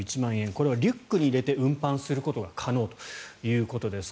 これはリュックに入れて運搬することが可能ということです。